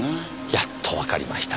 やっとわかりました。